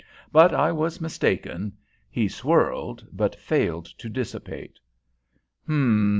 But I was mistaken. He swirled, but failed to dissipate. "Hum!"